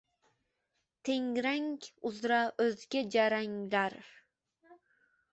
Tengrang uzra oʼzga jaranglar